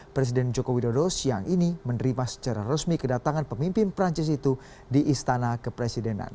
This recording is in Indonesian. presiden joko widodo siang ini menerima secara resmi kedatangan pemimpin perancis itu di istana kepresidenan